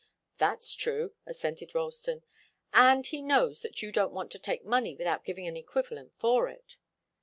"That's true," assented Ralston. "And he knows that you don't want to take money without giving an equivalent for it."